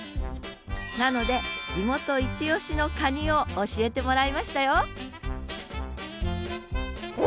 なので地元いちおしのカニを教えてもらいましたよえ